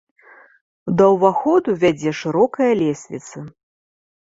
Да ўваходу вядзе шырокая лесвіца.